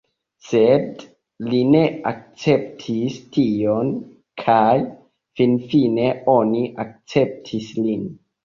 Sed li ne akceptis tion kaj finfine oni akceptis lin.